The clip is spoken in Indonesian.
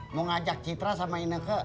mau ngajak citra sama ineke